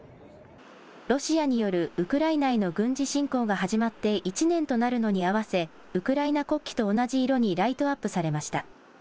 ロシアによるウクライナへの軍事侵攻が始まって１年となるのに合わせウクライナ国旗と同じ色にライトアップされました。